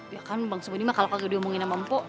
ya kan bangsa beni mah kalau kagak diomongin sama mpok